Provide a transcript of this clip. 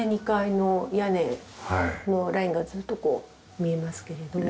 ２階の屋根のラインがずっとこう見えますけれど。